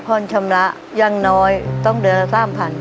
ผ่อนชำระอย่างน้อยต้องเดือนละ๓๐๐บาท